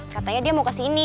katanya dia mau kesini